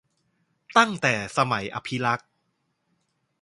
ตั้งแต่สมัยอภิรักษ์